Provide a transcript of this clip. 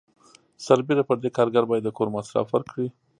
سربیره پر دې کارګر باید د کور مصرف ورکړي.